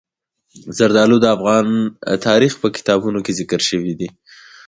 زردالو د افغان تاریخ په کتابونو کې ذکر شوی دي.